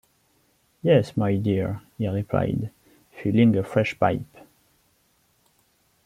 ‘Yes, my dear,’ he replied, filling a fresh pipe.